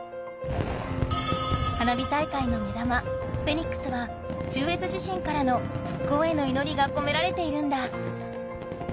花火大会の目玉フェニックスは中越地震からの復興への祈りが込められているんだ。